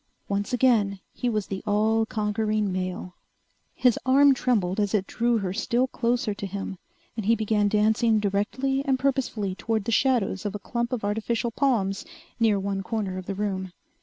Once again he was the all conquering male. His arm trembled as it drew her still closer to him and he began dancing directly and purposefully toward the shadows of a clump of artificial palms near one corner of the room.